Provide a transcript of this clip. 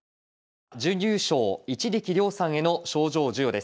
準優勝一力遼さんへの賞状授与です。